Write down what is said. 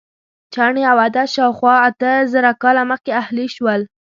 چڼې او عدس شاوخوا اته زره کاله مخکې اهلي شول.